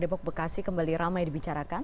di bogor depok bekasi kembali ramai dibicarakan